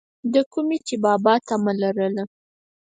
دَکومې چې بابا طمع لرله،